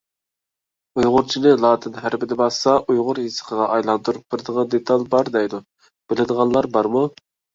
ئۇيغۇرچىنى لاتىن ھەرپىدە باسسا ئۇيغۇر يېزىقىغا ئايلاندۇرۇپ بېرىدىغان دېتال بار دەيدۇ؟ بىلىدىغانلار بارمۇ؟